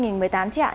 chị viu anh thì sao